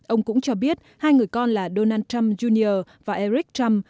ông cũng cho biết hai người con là donald trump junier và eric trump